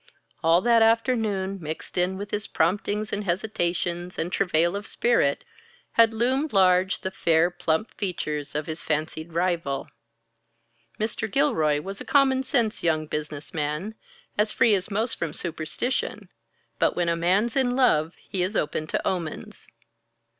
All that afternoon, mixed in with his promptings and hesitations and travail of spirit, had loomed large, the fair, plump features of his fancied rival. Mr. Gilroy was a common sense young business man, as free as most from superstition; but when a man's in love he is open to omens.